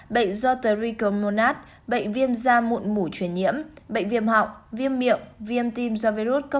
bệnh do trichomonas bệnh viêm da mụn mủ truyền nhiễm bệnh viêm họng viêm miệng viêm tim do virus cốc sốt